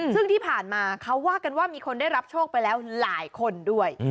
ซึ่งที่ผ่านมาเขาว่ากันว่ามีคนได้รับโชคไปแล้วหลายคนด้วย